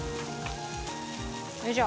よいしょ。